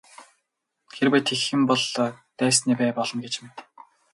Хэрвээ тэгэх юм бол дайсны бай болно гэж мэд.